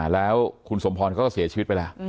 แล้วคุณสมพรก็เสียชีวิตไปแล้ว